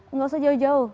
enggak usah jauh jauh